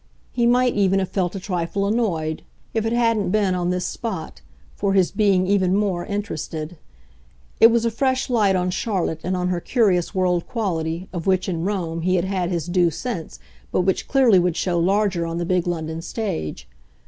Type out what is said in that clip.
He might even have felt a trifle annoyed if it hadn't been, on this spot, for his being, even more, interested. It was a fresh light on Charlotte and on her curious world quality, of which, in Rome, he had had his due sense, but which clearly would show larger on the big London stage.